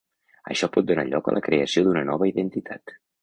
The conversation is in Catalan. Això pot donar lloc a la creació d'una nova identitat.